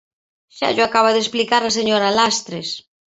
Xa llo acaba de explicar a señora Lastres.